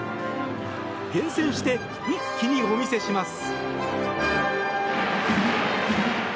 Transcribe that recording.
厳選して一気にお見せします。